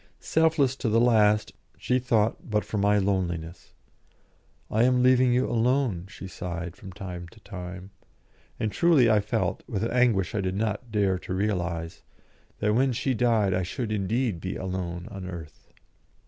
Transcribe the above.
Selfless to the last, she thought but for my loneliness. "I am leaving you alone," she sighed from time to time; and truly I felt, with an anguish I did not dare to realise, that when she died I should indeed be alone on earth.